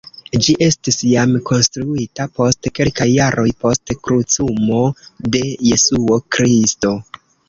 Ĝi estis jam konstruita post kelkaj jaroj post krucumo de Jesuo Kristo.